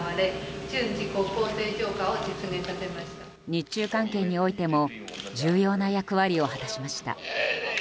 日中関係においても重要な役割を果たしました。